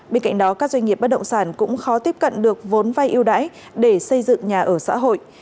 bên cạnh đó các doanh nghiệp bất động sản cũng khó tiếp cận được vốn vay ưu đãi để xây dựng nhà ở xã hội